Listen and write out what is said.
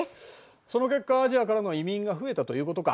その結果アジアからの移民が増えたということか。